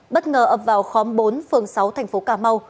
bất ngờ ập vào khóm bốn phường sáu thành phố cà mau